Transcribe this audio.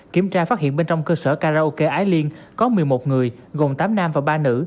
kiểm tra phát hiện bên trong cơ sở karaoke ái liên có một mươi một người gồm tám nam và ba nữ